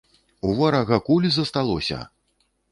У ворага куль засталося!